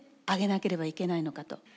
上げなければいけないのかと。